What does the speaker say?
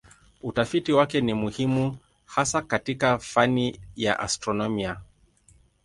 Utafiti wake ni muhimu hasa katika fani ya astronomia.